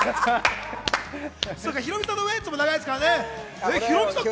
ヒロミさんとウエンツも長いですからね。